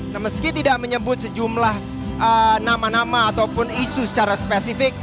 nah meski tidak menyebut sejumlah nama nama ataupun isu secara spesifik